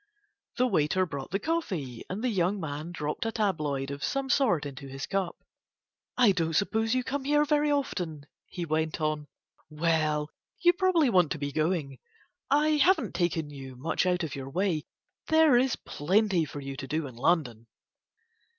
The waiter brought the coffee, and the young man dropped a tabloid of some sort into his cup. "I don't suppose you come here very often," he went on. "Well, you probably want to be going. I haven't taken you much out of your way, there is plenty for you to do in London."